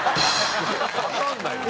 わかんないもん。